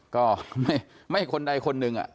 ก็ไม่คนใดคนหนึ่ง